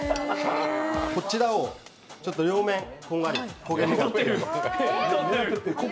こちらを両面こんがり、焦げ目を。